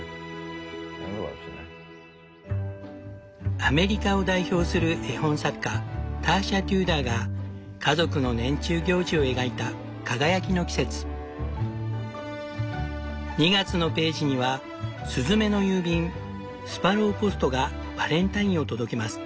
アメリカを代表する絵本作家ターシャ・テューダーが家族の年中行事を描いた「輝きの季節」。２月のページには「スズメの郵便スパローポストがバレンタインを届けます。